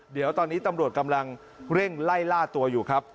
เดี๋ยวตอนนี้ตำรวจกำลังเร่งไล่ล่าตัวอยู่ครับ